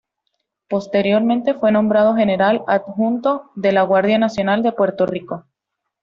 Posteriormente fue nombrado General Adjunto de la Guardia Nacional de Puerto Rico.